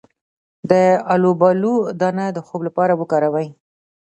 د الوبالو دانه د خوب لپاره وکاروئ